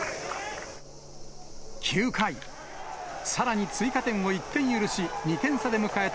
９回、さらに追加点を１点許し、２点差で迎えた